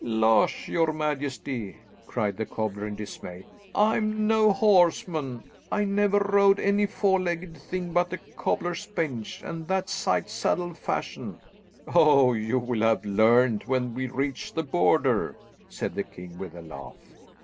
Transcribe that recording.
"Losh, your majesty!" cried the cobbler, in dismay, "I'm no horseman. I never rode any four legged thing but a cobbler's bench, and that side saddle fashion." "Oh, you'll have learnt when we reach the Border," said the king, with a laugh.